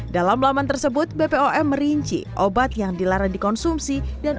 dalam laman tersebut bpom merinci obat yang dilarang dikonsumsi dan